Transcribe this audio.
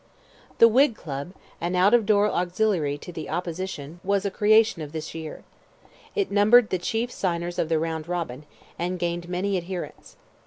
The Whig Club—an out of door auxiliary of the opposition—was a creation of this year. It numbered the chief signers of the "Round Robin," and gained many adherents.